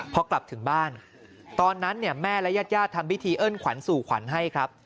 พอกลับถึงบ้านตอนนั้นเนี่ยแม่และญาติญาติทำพิธีเอิ้นขวัญสู่ขวัญให้ครับ